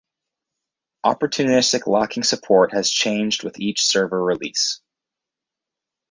Opportunistic locking support has changed with each server release.